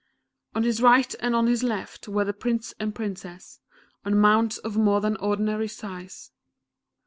On his right and on his left were the Prince and Princess, on mounts of more than ordinary size.